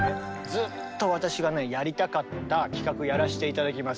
ずっと私がねやりたかった企画やらせて頂きます。